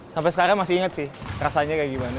sampai sekarang masih inget sih rasanya kayak gimana